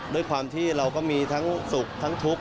ด้วยความที่เราก็มีทั้งสุขทั้งทุกข์